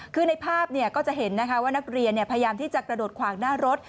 คือในภาพก็จะเห็นนะคะว่านักเรียนพยายามที่จะกระโดดขวางหน้ารถ